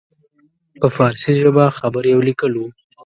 په فارسي ژبه خبرې او لیکل وو.